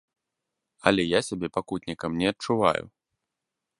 Але я сябе пакутнікам не адчуваю.